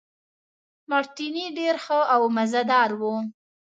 مارټیني ډېر ښه او مزه دار وو.